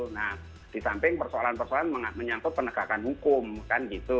nah di samping persoalan persoalan menyangkut penegakan hukum kan gitu